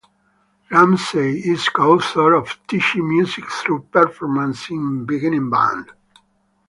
Ramsey is co-author of Teaching Music through Performance in Beginning Band.